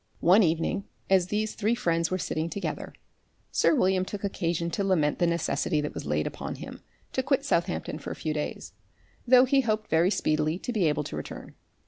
One evening, as these three friends were sitting together, sir William took occasion to lament the necessity that was laid upon him to quit Southampton for a few days, though he hoped very speedily to be able to return.